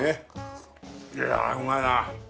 いやあうまいな！